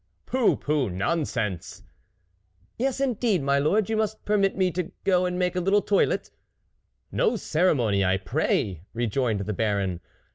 " Pooh pooh ! nonsense !"" Yes, indeed, my lord ; you must per mit me to go and make a little toilette." " No ceremony, I pray !" rejoined the Baron.